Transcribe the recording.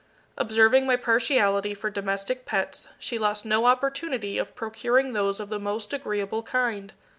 Observing my partiality for domestic pets, she lost no opportunity of procuring those of the most agreeable kind.